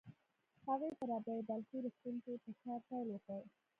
هغې په رابعه بلخي روغتون کې په کار پيل وکړ.